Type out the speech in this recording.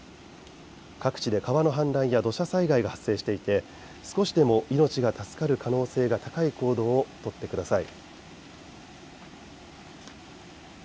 各地で川の氾濫や土砂災害が発生していて少しでも命が助かる可能性が高い行動をとってください。